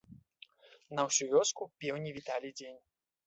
На ўсю вёску пеўні віталі дзень.